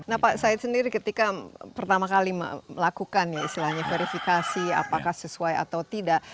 nah pak said sendiri ketika pertama kali melakukan ya istilahnya verifikasi apakah sesuai atau tidak